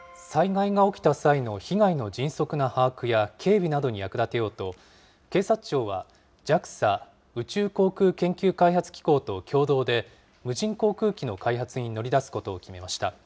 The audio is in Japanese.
災害が起きた際の被害の迅速な把握や、警備などに役立てようと、警察庁は、ＪＡＸＡ・宇宙航空研究開発機構と共同で、無人航空機の開発に乗り出すことを決めました。